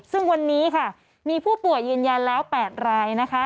ซึ่งวันนี้มีผู้ตัวอย่างยาแล้ว๘ราย